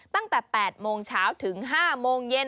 ตั้งแต่๘โมงเช้าถึง๕โมงเย็น